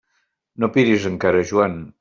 No piris encara, Joan!